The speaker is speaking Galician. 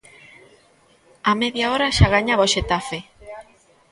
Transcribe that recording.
Á media hora xa gañaba o Xetafe.